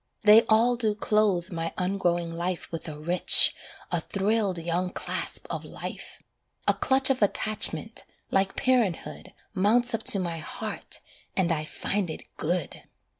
They all do clothe my ungrowing life With a rich, a thrilled young clasp of life; A clutch of attachment, like parenthood, Mounts up to my heart, and I find it good.